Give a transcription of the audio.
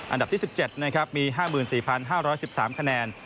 อันดับที่๑๗มี๕๔๕๑๓คะแนน